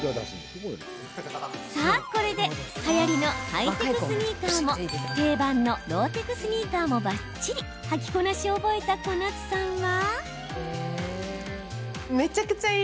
さあ、これではやりのハイテクスニーカーも定番のローテクスニーカーもばっちり履きこなしを覚えた小夏さんは。